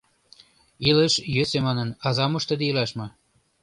— Илыш йӧсӧ манын, азам ыштыде илаш мо?..